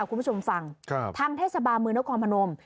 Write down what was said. คุณผู้ชมฟังทางเทศบาลเมืองนครพนม